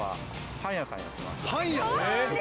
パン屋さん。